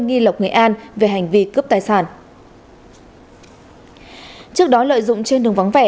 nghi lộc nghệ an về hành vi cướp tài sản trước đó lợi dụng trên đường vắng vẻ